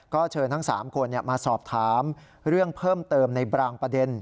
ก็เชิญทั้ง๓คนมาสอบถามเรื่องเพิ่มเติมในบางประเด็น